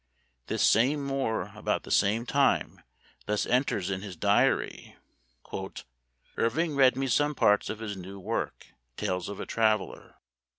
This same Moore about the same time thus enters in his diary :" Irving read me some parts of his new work, ' Tales of a Traveler.'